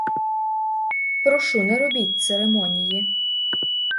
Прошу, не робіть церемонії.